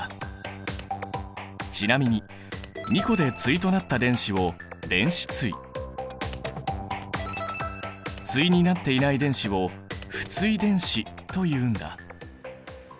ちなみに２個で対となった電子を電子対対になっていない電子を不対電子というんだ。